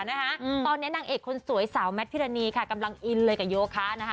ตอนนี้หนังเอกสวยซาวแมทพิรณีกำลังอินทีเลยกับโยคะ